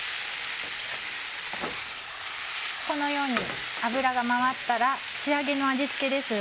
このように油が回ったら仕上げの味付けです。